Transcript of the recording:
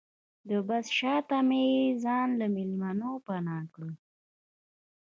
د بس شاته مې ځان له مېلمنو پناه کړ.